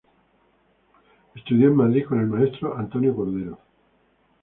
Estudió en Madrid con el maestro Antonio Cordero.